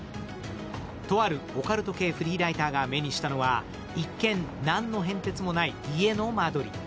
とあるオカルト系フリーライターが目にしたのは一見何の変哲もない家の間取り。